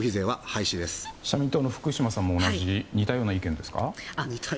社民党の福島さんも似たような意見ですか？